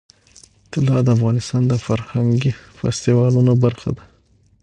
طلا د افغانستان د فرهنګي فستیوالونو برخه ده.